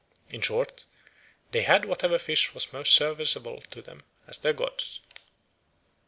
In short, they had whatever fish was most serviceable to them as their gods."